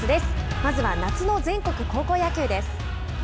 まずは夏の全国高校野球です。